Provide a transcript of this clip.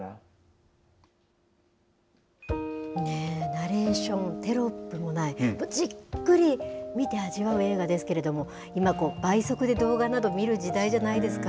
ナレーション、テロップもない、じっくり見て味わう映画ですけれども、今、倍速で動画など見る時代じゃないですか。